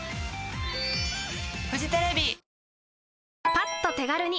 パッと手軽に！